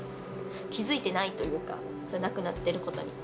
気付いてないというか、亡くなっていることに。